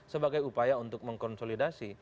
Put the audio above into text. sebagai upaya untuk mengkonsolidasi